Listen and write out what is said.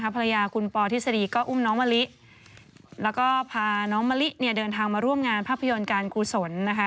ภรรยาคุณปอทฤษฎีก็อุ้มน้องมะลิแล้วก็พาน้องมะลิเดินทางมาร่วมงานภาพยนตร์การกุศล